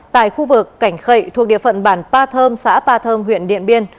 tại khu vực cảnh khậy thuộc địa phận bản pa thơm xã pa thơm huyện điện biên